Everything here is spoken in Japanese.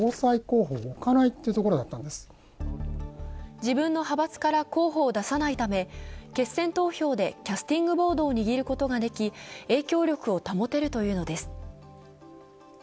自分の派閥から候補を出さないため、決選投票でキャスティングボートを握ることができ、影響力を保てるというのです。